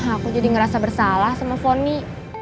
aku jadi ngerasa bersalah sama foni